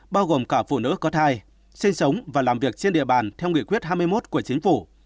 bao gồm cả phụ nữ có thai sinh sống và làm việc trên địa bàn theo nghị quyết hai mươi một của chính phủ